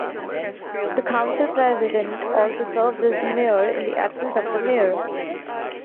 The council president also serves as mayor, in the absence of the mayor.